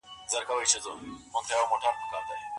ګل وايي چې زما ژوند یوازې یوه خندا ده.